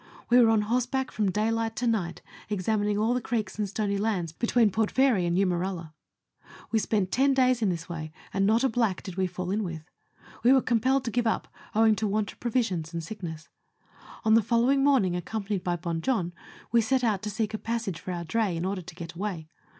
We were on horseback from daylight to night, examining all the creeks and stony lands between Port Fairy and Eumeralla. We spent ten days in this way, and not a black did we fall in with. We were compelled to give up, owing to want of provisions and sickness. On the following morning, accompanied by Bon Jon, we set out to seek a passage for our dray, in order to get away.